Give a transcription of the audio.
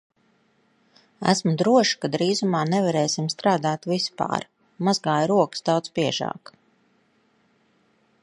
Esmu droša, ka drīzumā nevarēsim strādāt vispār. Mazgāju rokas daudz biežāk.